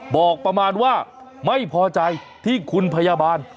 บอกประมาณว่าไม่พอใจที่คุณพยาบาล